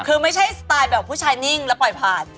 คือไม่ใช่สไตล์แบบผู้ชายนิ่งแล้วปล่อยผ่าน